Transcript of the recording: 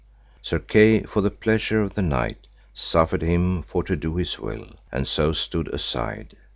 Sir Kay, for the pleasure of the knight, suffered him for to do his will, and so stood aside.